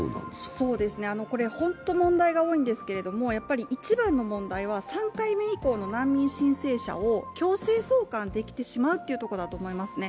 これ、ホント問題が多いんですが、一番の問題は３回目以降の難民申請者を強制送還できてしまうというところだと思いますね。